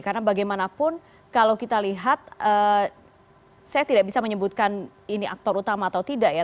karena bagaimanapun kalau kita lihat saya tidak bisa menyebutkan ini aktor utama atau tidak ya